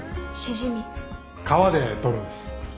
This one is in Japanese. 川で採るんです。